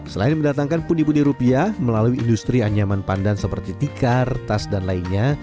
selain mendatangkan pundi pundi rupiah melalui industri anyaman pandan seperti tikar tas dan lainnya